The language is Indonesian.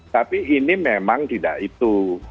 tapi ini memang tidak itu